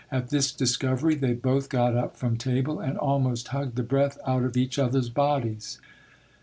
At this discovery they both got up from table, and almost hugged the breath out of each other's bodies.